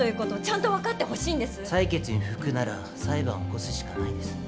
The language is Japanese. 裁決に不服なら裁判を起こすしかないです。